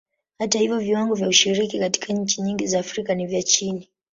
Hata hivyo, viwango vya ushiriki katika nchi nyingi za Afrika ni vya chini.